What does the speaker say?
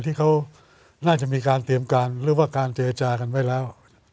ที่เขาน่าจะมีการเตรียมการหรือว่าการเจจากันไว้แล้ว